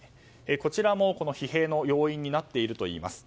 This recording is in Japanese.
こちらも疲弊の要因になっているといいます。